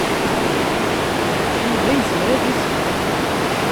Yuba yezmer ad iseww.